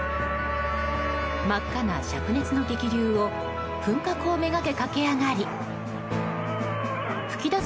真っ赤な灼熱の激流を噴火口目がけ駆け上がり噴き出す